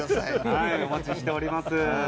お待ちしております。